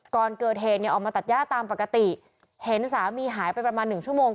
ก่อนเกิดเหตุเนี่ยออกมาตัดย่าตามปกติเห็นสามีหายไปประมาณหนึ่งชั่วโมง